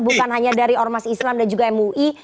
bukan hanya dari ormas islam dan juga mui